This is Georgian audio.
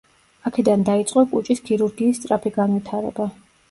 აქედან დაიწყო კუჭის ქირურგიის სწრაფი განვითარება.